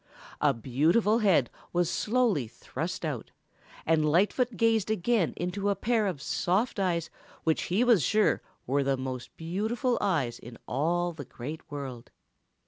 A beautiful head was slowly thrust out, and Lightfoot gazed again into a pair of soft eyes which he was sure were the most beautiful eyes in all the Great World.